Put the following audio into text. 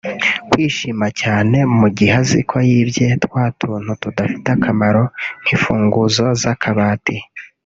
Kwishima cyane mu gihe aziko yibye twa tuntu tudafite akamaro nk’imfunguzo z’akabati